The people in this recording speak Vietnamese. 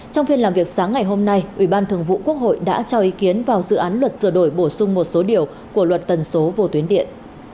trong phiên làm việc sáng ngày hôm nay ủy ban thường vụ quốc hội đã cho ý kiến vào dự án luật sửa đổi bổ sung một số điều của luật tần số vô tuyến điện